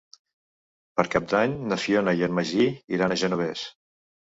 Per Cap d'Any na Fiona i en Magí iran al Genovés.